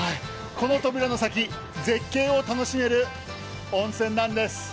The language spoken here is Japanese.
この扉の先、絶景を楽しめる温泉なんです。